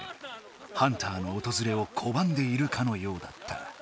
ハンターのおとずれをこばんでいるかのようだった。